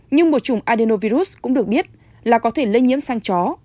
nhưng một chủng adenovirus cũng được biết là có thể lây nhiễm sang chó